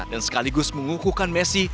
dan sekaligus mengukuhkan messi